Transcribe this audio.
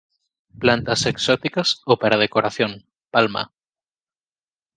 Plantas exóticas o para decoración: Palma.